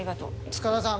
塚田さん